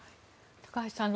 高橋さん